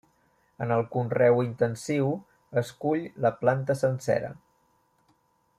En el conreu intensiu es cull la planta sencera.